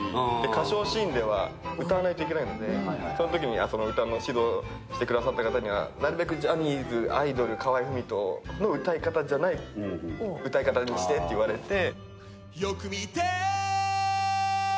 歌唱シーンでは歌わなきゃいけないので、そのときに歌の指導してくださった方にはなるべくジャニーズ、アイドル・河合郁人じゃない歌い方にしてくれと言われて。